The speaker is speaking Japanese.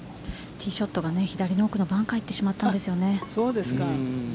ティーショットが左奥のバンカーに行ってしまったんですよね。